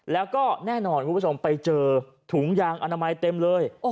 แล้วก็แน่นอนคุณผู้ชมไปเจอถุงยางอนามัยเต็มเลย